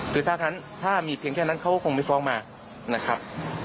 คือถ้ามีเพียงแค่นั้นเขาก็คงไม่ฟ้องมานะครับ